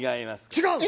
違う！？